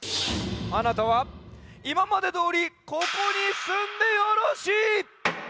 あなたはいままでどおりここにすんでよろしい。